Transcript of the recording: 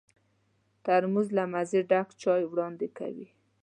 ترموز له مزې ډک چای وړاندې کوي.